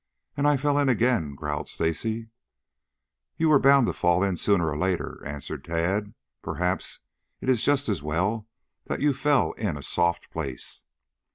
"And I fell in again," growled Stacy. "You were bound to fall in sooner or later," answered Tad. "Perhaps it is just as well that you fell in a soft place."